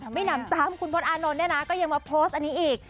ไม่นำซ้ำคุณพลอดอานนท์ก็ยังมาโพสต์อันนี้อีก